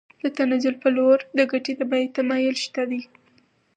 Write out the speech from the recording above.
د تنزل په لور د ګټې د بیې تمایل شته